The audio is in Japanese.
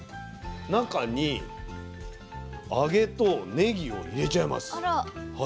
中に揚げとねぎを入れちゃいます。